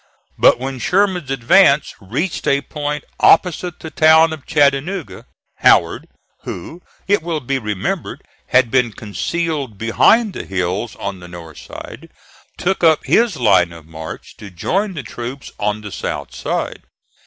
But when Sherman's advance reached a point opposite the town of Chattanooga, Howard, who, it will be remembered, had been concealed behind the hills on the north side, took up his line of march to join the troops on the south side.